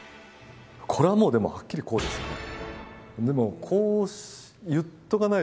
これはもうはっきり、こうですね。